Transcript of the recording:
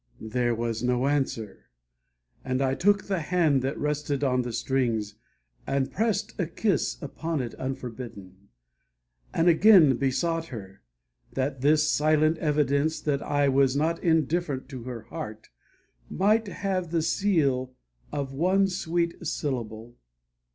There was no answer, and I took the hand That rested on the strings, and pressed a kiss Upon it unforbidden and again Besought her, that this silent evidence That I was not indifferent to her heart, Might have the seal of one sweet syllable.